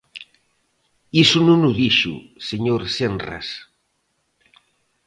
Iso non o dixo, señor Senras.